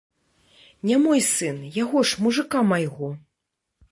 Не мой сын, яго ж, мужыка майго.